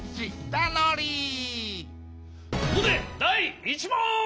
そこでだい１もん！